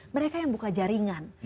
mereka yang buka jaringan